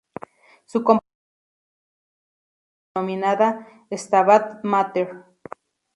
Su composición más conocida es la denominada "Stabat Mater".